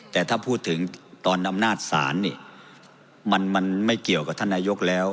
แต่ถ้าพูดถึงตอนอำนาจศาลนี่มันไม่เกี่ยวกับท่านนายกแล้ว